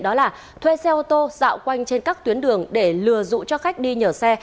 đó là thuê xe ô tô dạo quanh trên các tuyến đường để lừa dụ cho khách đi nhờ xe